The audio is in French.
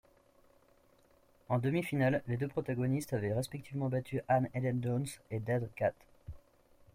En demi-finale, les deux protagonistes avaient respectivement battu Ann Haydon-Jones et Deidre Catt.